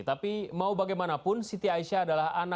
tapi mau bagaimanapun siti aisyah adalah anaknya